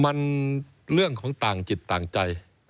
มันเรื่องของต่างจิตต่างใจ